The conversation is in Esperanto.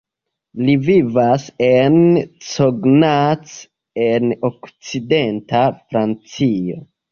Li vivas en Cognac en okcidenta Francio.